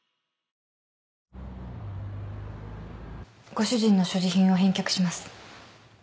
ご主人の所持品を返却します。